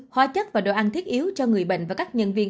hóa chất và đồ ăn thiết yếu cho người bệnh và các nhân viên